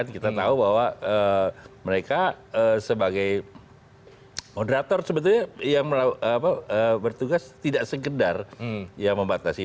kita tahu bahwa mereka sebagai moderator sebetulnya yang bertugas tidak sekedar membatasi